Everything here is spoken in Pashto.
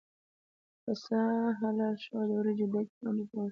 پسه حلال شو او د وریجو دېګ باندې شو.